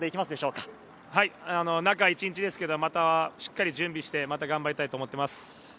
中１日ですけれど、しっかり準備して、また頑張りたいと思っています。